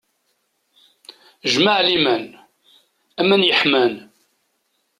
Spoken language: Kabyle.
Jmaɛliman, aman yeḥman!